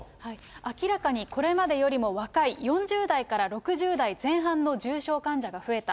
明らかにこれまでよりも若い、４０代から６０代前半の重症患者が増えた。